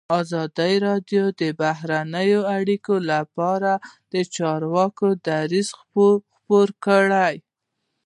ازادي راډیو د بهرنۍ اړیکې لپاره د چارواکو دریځ خپور کړی.